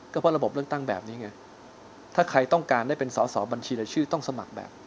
ก็เพราะระบบเลือกตั้งแบบนี้ไงถ้าใครต้องการได้เป็นสอสอบัญชีรายชื่อต้องสมัครแบบ